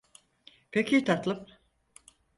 Peki tatlım.